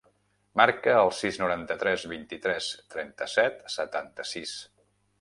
Marca el sis, noranta-tres, vint-i-tres, trenta-set, setanta-sis.